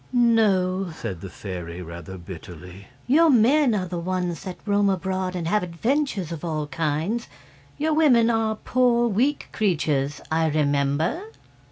"No," said the fairy, rather bitterly, "your men are the ones that roam abroad and have adventures of all kinds. Your women are poor, weak creatures, I remember."